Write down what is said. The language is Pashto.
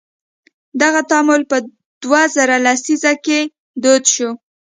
دغه تعامل په دوه زره لسیزه کې دود شو.